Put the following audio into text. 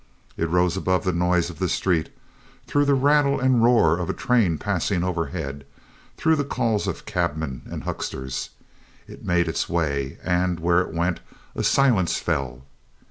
It rose above the noise of the street; through the rattle and roar of a train passing overhead, through the calls of cabmen and hucksters, it made its way, and where it went a silence fell.